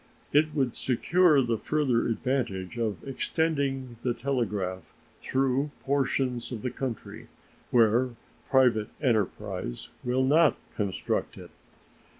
It would secure the further advantage of extending the telegraph through portions of the country where private enterprise will not construct it.